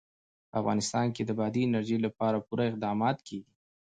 په افغانستان کې د بادي انرژي لپاره پوره اقدامات کېږي.